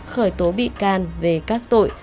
khởi tố bị can về các tội